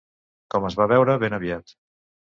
Com es va veure ben aviat.